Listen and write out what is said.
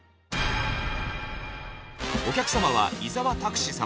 お客様は伊沢拓司様。